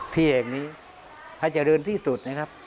ที่แห่งนี้ให้เจริญที่สุด